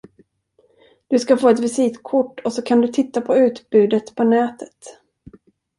Du ska få ett visitkort och så kan du titta på utbudet på nätet.